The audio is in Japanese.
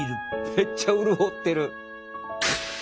めっちゃ潤ってる。